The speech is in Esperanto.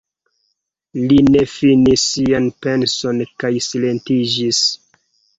Li ne finis sian penson kaj silentiĝis.